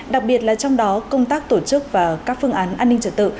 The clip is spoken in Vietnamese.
đặc biệt là trong đó công tác tổ chức và các phương án an ninh trật tự